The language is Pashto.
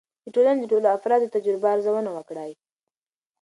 د ټولنې د ټولو افرادو د تجربو ارزونه وکړئ.